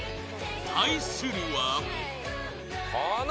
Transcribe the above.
対するは。